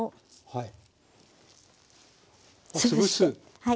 はい。